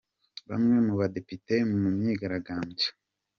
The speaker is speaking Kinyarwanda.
Bamwe mu badepite mu myigaragambyo